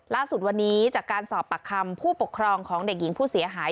ล่าสุดวันนี้จากการสอบปากคำผู้ปกครองของเด็กหญิงผู้เสียหาย